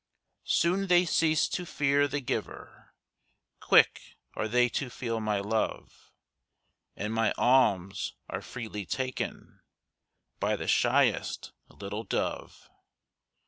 Soon they cease to fear the giver, Quick are they to feel my love, And my alms are freely taken By the shyest little dove.